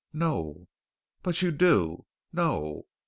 "No." "But you do." "No."